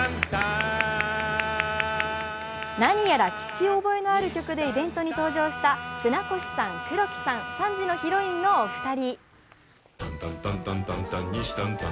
何やら聞き覚えのある曲でイベントに登場した船越さん、黒木さん、３時のヒロインのお二人。